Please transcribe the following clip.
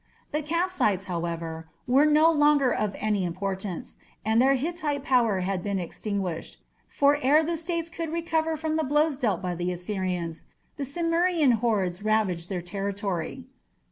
The Kassites, however, were no longer of any importance, and the Hittite power had been extinguished, for ere the states could recover from the blows dealt by the Assyrians the Cimmerian hordes ravaged their territory.